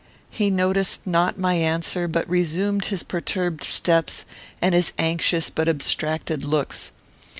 He noticed not my answer, but resumed his perturbed steps, and his anxious but abstracted looks.